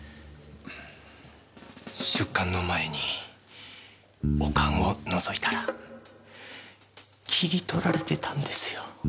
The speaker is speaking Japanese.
出棺の前にお棺をのぞいたら切り取られてたんですよ。